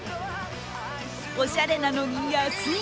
おしゃれなのに安い！